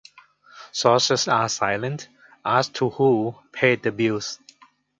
Sources are silent as to who paid the bills.